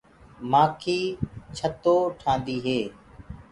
مآکي ڇتو ٺهآندي هي۔